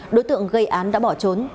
đối tượng gây án đã bỏ trốn